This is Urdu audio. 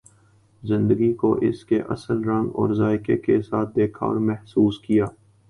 زندگی کو اس کے اصل رنگ اور ذائقہ کے ساتھ دیکھا اور محسوس کیا